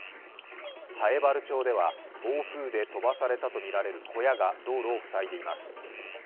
南風原町では暴風で飛ばされたとみられる小屋が道路を塞いでいます。